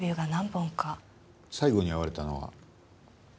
最後に会われたのは？